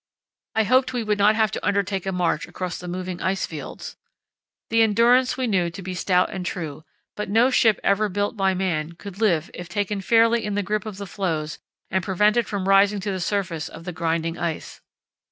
I hoped we would not have to undertake a march across the moving ice fields. The Endurance we knew to be stout and true; but no ship ever built by man could live if taken fairly in the grip of the floes and prevented from rising to the surface of the grinding ice.